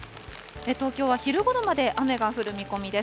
東京は昼ごろまで雨が降る見込みです。